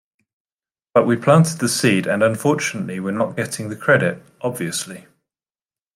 But we planted the seed, and unfortunately we're not getting the credit, obviously.